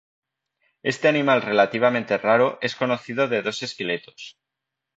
Este animal relativamente raro es conocido de dos esqueletos.